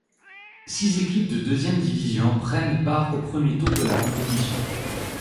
Six équipes de deuxième division prennent part au premier tour de la compétition.